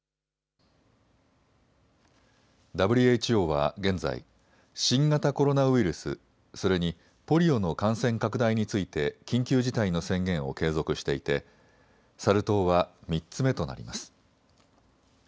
ＷＨＯは現在、新型コロナウイルス、それにポリオの感染拡大について緊急事態の宣言を継続していてサル痘は３つ目となります。